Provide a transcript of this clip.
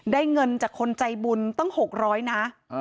เงินจากคนใจบุญตั้ง๖๐๐นะ